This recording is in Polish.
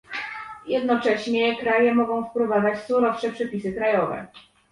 Jednocześnie, kraje mogą wprowadzać surowsze przepisy krajowe